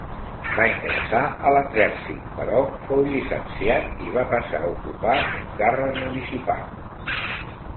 Va ingressar a l'exèrcit però fou llicenciat i va passar a ocupar un càrrec municipal.